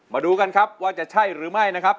มาดูกันครับว่าจะใช่หรือไม่นะครับ